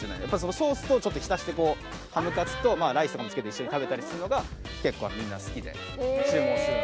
ソースとちょっと浸してこうハムカツとライスとかも付けて一緒に食べたりするのが結構みんな好きで注文する。